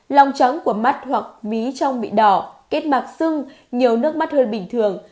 lòng trắng của mắt hoặc mí trong bị đỏ kết mạc xưng nhiều nước mắt hơn bình thường